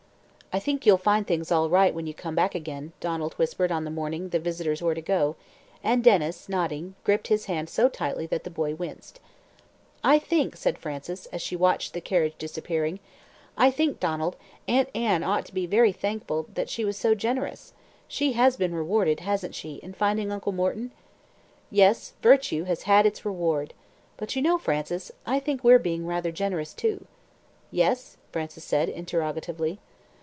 "I think you'll find things all right when you come back again," Donald whispered on the morning the visitors were to go, and Denys, nodding, gripped his hand so tightly that the boy winced. "I think," said Frances, as she watched the carriage disappearing "I think, Donald, Aunt Anne ought to be very thankful she was so generous. She has been rewarded, hasn't she, in finding Uncle Morton?" "Yes, virtue has had its reward. But you know, Frances, I think we're being rather generous too." "Yes?" Frances said interrogatively.